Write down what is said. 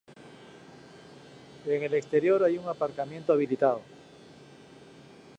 En el exterior hay un aparcamiento habilitado.